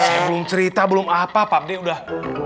saya belum cerita belum apa pak d udah